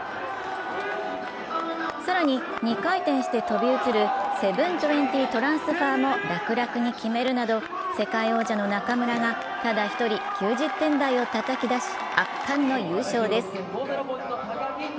更に、２回転して飛び移る７２０トランスファーも楽々に決めるなど世界王者の中村がただ１人９０点台をたたき出し、圧巻の優勝です。